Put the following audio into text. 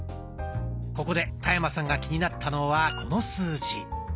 ここで田山さんが気になったのはこの数字。